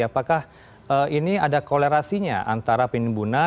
apakah ini ada kolerasinya antara penimbunan